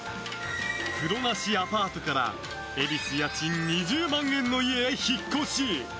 風呂なしアパートから恵比寿、家賃２０万円の家へ引っ越し。